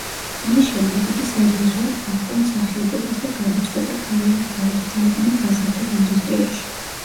ამის შემდეგ, იგი სერიოზულად მოჰყვა მსახიობობას და გადაწყვიტა, კარიერა გაეგრძელებინა გასართობ ინდუსტრიაში.